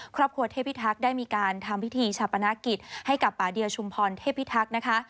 ครอบครัวเทพิทักษ์ได้มีการทำพิธีชาปนกิจให้กับป่าเดียวชุมพรเทพิทักษ์นะคะ